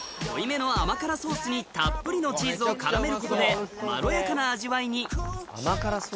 濃いめの甘辛ソースにたっぷりのチーズを絡めることでまろやかな味わいにうまいわ。